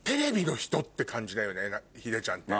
ヒデちゃんって。